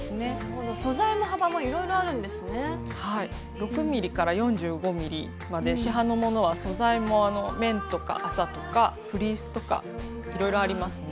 ６ｍｍ４５ｍｍまで市販のものは素材も綿とか麻とかフリースとかいろいろありますね。